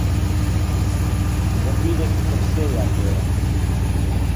زەمبیلێکی پڕ سێویان پێیە.